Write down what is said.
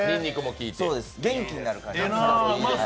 元気になる感じです。